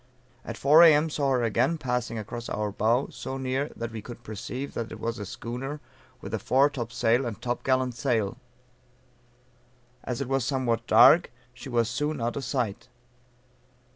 At 4 A.M. saw her again passing across our bow, so near that we could perceive that it was a schooner with a fore top sail and top gallant sail. As it was somewhat dark she was soon out of sight.